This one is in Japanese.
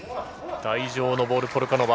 帯状のボール、ポルカノバ。